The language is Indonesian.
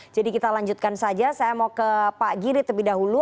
jadi kita lanjutkan saja saya mau ke pak giri terlebih dahulu